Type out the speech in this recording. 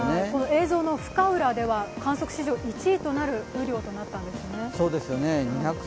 映像の深浦では観測史上１位となる雨量となったんですよね。